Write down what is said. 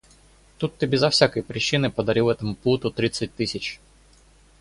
Тут ты безо всякой причины подарил этому плуту тридцать тысяч.